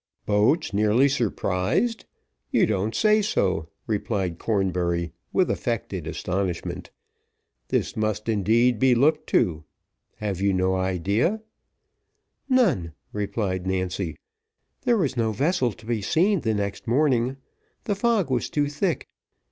"Boats nearly surprised! you don't say so," replied Cornbury, with affected astonishment. "This must indeed be looked to. Have you no idea " "None," replied Nancy. "There was no vessel to be seen the next morning the fog was too thick.